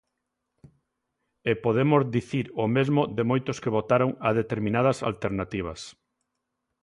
E podemos dicir o mesmo de moitos que votaron a determinadas alternativas.